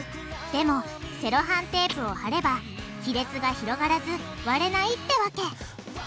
でもセロハンテープをはれば亀裂が広がらず割れないってわけ。